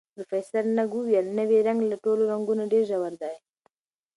پروفیسر نګ وویل، نوی رنګ له ټولو رنګونو ډېر ژور دی.